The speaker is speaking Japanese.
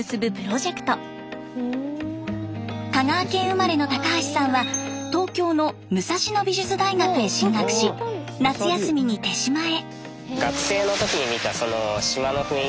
香川県生まれの高橋さんは東京の武蔵野美術大学へ進学し夏休みに手島へ。